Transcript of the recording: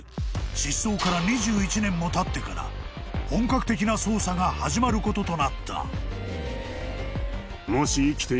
［失踪から２１年もたってから本格的な捜査が始まることとなった］